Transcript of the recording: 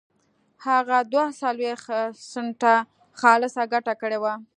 هغه دوه څلوېښت سنټه خالصه ګټه کړې وه